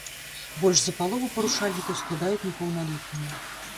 Больш за палову парушальнікаў складаюць непаўналетнія.